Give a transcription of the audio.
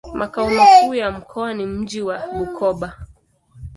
Makao makuu ya mkoa ni mji wa Bukoba.